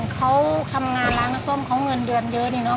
เขาทำงานร้านน้ำส้มเขาเงินเดือนเยอะนี่เนอ